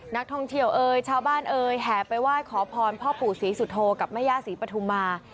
นักท่องเที่ยวเอ่ยชาวบ้านเอ่ยแห่ไปไหว้ขอพรพ่อปู่ศรีสุโธกับแม่ย่าศรีปฐุมา